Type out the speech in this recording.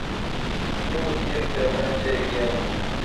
موکی ایک پیالہ چئی گیا